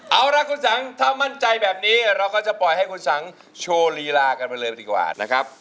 เอาล่ะคุณสังถ้ามั่นใจแบบนี้เราก็จะปล่อยให้คุณสังโชว์ลีลากันไปเลยดีกว่านะครับ